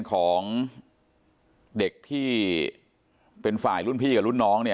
ของเด็กที่เป็นฝ่ายลุ้นพี่กับลุ้นน้อง